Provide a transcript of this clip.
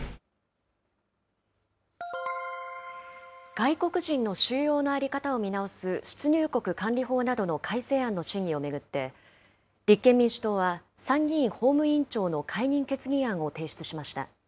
外国人の収容の在り方を見直す出入国管理法などの改正案の審議を巡って、立憲民主党は、参議院法務委員長の解任決議案を提出しました。